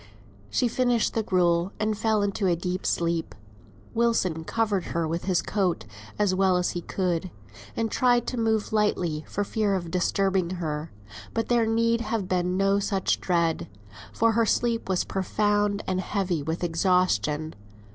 She finished the gruel, and fell into a deep sleep. Wilson covered her with his coat as well as he could, and tried to move lightly for fear of disturbing her; but there need have been no such dread, for her sleep was profound and heavy with exhaustion.